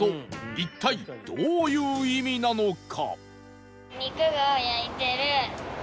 一体どういう意味なのか？